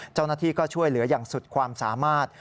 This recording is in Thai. เจ้าหน้าที่ก็ช่วยเหลืออย่างสุดความสามารถ